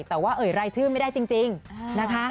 แต่ว่าเอ่ยรายชื่อไม่ได้จริงนะคะ